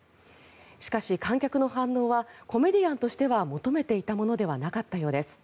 しかし、観客の反応はコメディアンとしては求めていたものではなかったようです。